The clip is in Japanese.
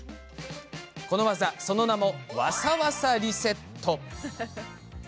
この技、その名もわさわさリセット。